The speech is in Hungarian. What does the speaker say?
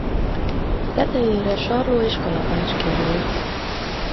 Tetejére sarló és kalapács került.